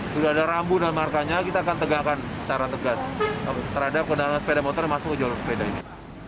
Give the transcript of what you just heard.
sudah ada rambu dan markanya kita akan tegakkan secara tegas terhadap kendaraan sepeda motor yang masuk ke jalur sepeda ini